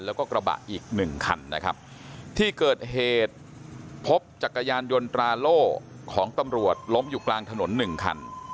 แล้วก็กระบะอีกหนึ่งคันนะครับที่เกิดเหตุพบจักรยานยนต์ตราโล่ของตำรวจล้มอยู่กลางถนนหนึ่งคัน